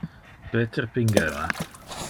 Peter pingeva.